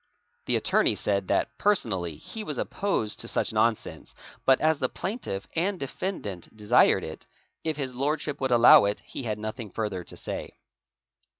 The attorney said that, personally, he was opposed to Ss Sn Ta eee Ni such nonsense, but as the plaintiff and defendant desired it, if His Lordship would allow it, he had nothing further to say.